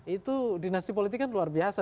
itu dinasti politik kan luar biasa